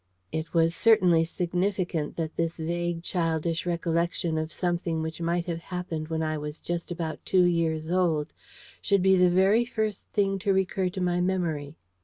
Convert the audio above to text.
It was certainly significant that this vague childish recollection of something which might have happened when I was just about two years old should be the very first thing to recur to my my memory.